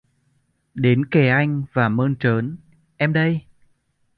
đến kề anh và mơn trớn:" Em đây! "